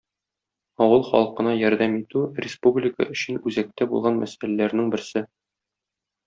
Авыл халкына ярдәм итү - республика өчен үзәктә булган мәсьәләләрнең берсе.